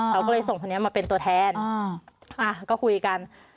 เขาก็เลยส่งผู้หญิงมาเป็นตัวแทนอะก็คุยกัน